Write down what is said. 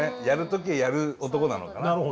やる時はやる男なのかな。